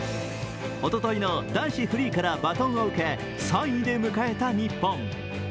おとといの男子フリーからバトンを受け３位で迎えた日本。